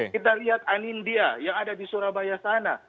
kita lihat anindya yang ada di surabaya sana